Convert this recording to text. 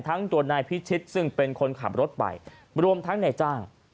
ทั้งตัวนายพิชิตซึ่งเป็นคนขับรถไปรวมทั้งในจ้าง